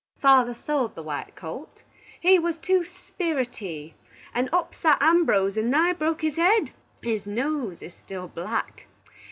Father sold the white colt. He was too spirity, and upsat Ambrose and nigh broke his head. His nose is still black.